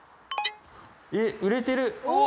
えっ、売れてる。